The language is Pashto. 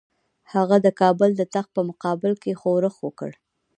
هغه د کابل د تخت په مقابل کې ښورښ وکړ.